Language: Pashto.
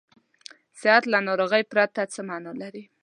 صحت له ناروغۍ پرته څه معنا لري.